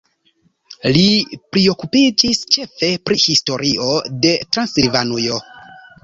Li priokupiĝis ĉefe pri historio de Transilvanujo.